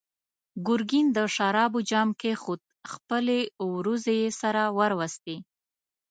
ګرګين د شرابو جام کېښود، خپلې وروځې يې سره وروستې.